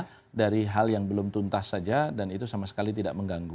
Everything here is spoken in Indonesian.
karena dari hal yang belum tuntas saja dan itu sama sekali tidak mengganggu